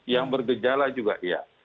yang bergejala juga iya